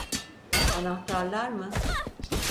Anahtarlar mı?